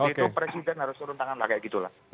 jadi itu presiden harus turun tangan lah kayak gitu lah